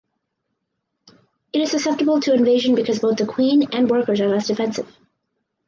It is susceptible to invasion because both the queen and workers are less defensive.